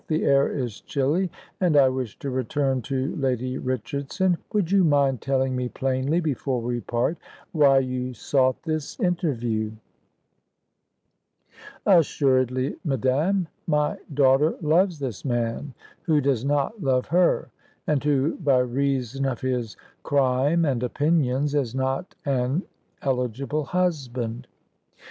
The air is chilly, and I wish to return to Lady Richardson. Would you mind telling me plainly, before we part, why you sought this interview?" "Assuredly, madame. My daughter loves this man, who does not love her, and who, by reason of his crime and opinions, is not an eligible husband.